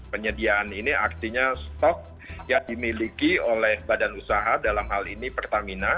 penyediaan ini artinya stok yang dimiliki oleh badan usaha dalam hal ini pertamina